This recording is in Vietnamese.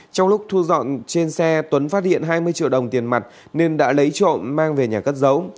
trong lúc thu dọn trên xe tuấn phát hiện hai mươi triệu đồng tiền mặt nên đã lấy trộm mang về nhà cất giấu